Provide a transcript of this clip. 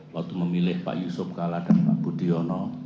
waktu memilih pak yusuf kala dan pak budiono